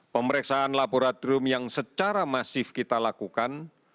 pemeriksaan laboratorium yang secara masif kita lakukan